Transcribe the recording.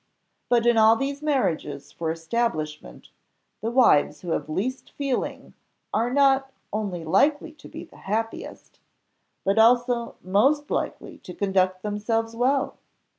But, in all these marriages for establishment, the wives who have least feeling are not only likely to be the happiest, but also most likely to conduct themselves well.